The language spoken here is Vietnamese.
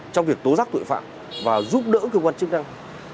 trong việc tố giác tội phạm và giúp đỡ cơ quan chức năng